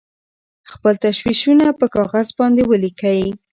خپل تشویشونه په کاغذ باندې ولیکئ.